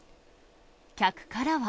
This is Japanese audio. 客からは。